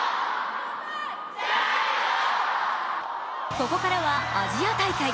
ここからはアジア大会。